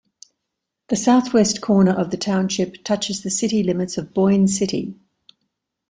The southwest corner of the township touches the city limits of Boyne City.